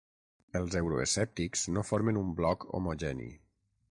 Els euroescèptics no formen un bloc homogeni.